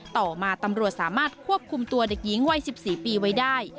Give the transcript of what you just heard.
ต่อมาตำรวจสามารถควบคุมตัวเด็กหญิงวัย๑๔ปีไว้ได้